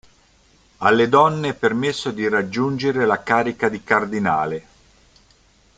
Alle donne è permesso di raggiungere la carica di cardinale.